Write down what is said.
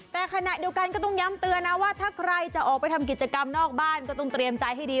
แต่ขณะเดียวกันก็ต้องย้ำเตือนนะว่าถ้าใครจะออกไปทำกิจกรรมนอกบ้านก็ต้องเตรียมใจให้ดี